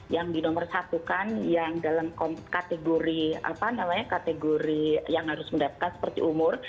yang di nomor satu kan yang dalam kategori apa namanya kategori yang harus mendapatkan seperti umur